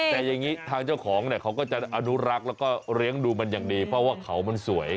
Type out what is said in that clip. แต่อย่างนี้ทางเจ้าของเนี่ยเขาก็จะอนุรักษ์แล้วก็เลี้ยงดูมันอย่างดีเพราะว่าเขามันสวย